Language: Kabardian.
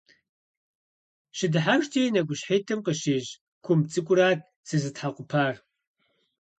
ЩыдыхьэшхкӀэ и нэкӀущхьитӀым къыщищӀ кумб цӀыкӀурат сызытхьэкъупар.